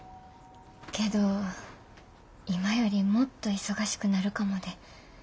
けど今よりもっと忙しくなるかもで。